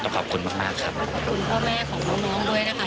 ขอบคุณมากมากครับขอบคุณพ่อแม่ของน้องน้องด้วยนะคะ